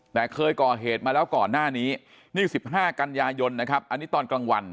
แต่เคยก่อเหตุมาแล้วก่อนหน้านี้นี่๑๕กันยายนนะครับอันนี้ตอนกลางวัน